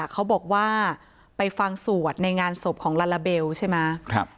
เขาบอกว่าไปฟังสวดในงานศพของลาลาเบลใช่ไหม